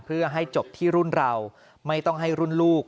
เพื่อให้จบที่รุ่นเราไม่ต้องให้รุ่นลูก